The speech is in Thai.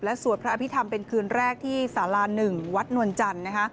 สวดพระอภิษฐรรมเป็นคืนแรกที่สารา๑วัดนวลจันทร์นะคะ